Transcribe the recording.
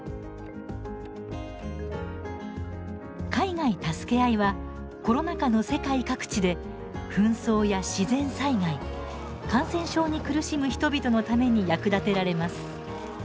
「海外たすけあい」はコロナ禍の世界各地で紛争や自然災害感染症に苦しむ人々のために役立てられます。